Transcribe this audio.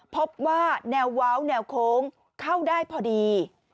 พบว่าแนวเว้าแนวโค้งเข้าได้พอดี